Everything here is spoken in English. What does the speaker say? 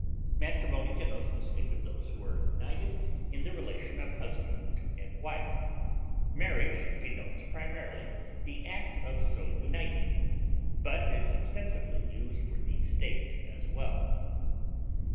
Matrimony denotes the state of those who are united in the relation of husband and wife; marriage denotes primarily the act of so uniting, but is extensively used for the state as well.